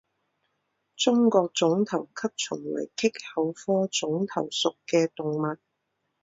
中国肿头吸虫为棘口科肿头属的动物。